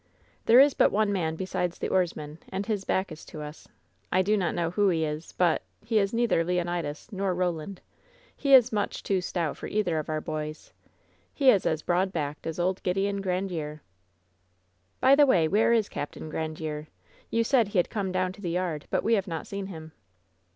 "There is but one man besides the oarsmen, and his back is toward us. I do not know who he is ; but — he is neither Leonidas nor Roland 1 He is much too stout for either of our boys! He is as broad backed as old Gideon Grandiere !" "By the way, where is Capt Grandiere? You said he had come down to the yard; but we have not seen him."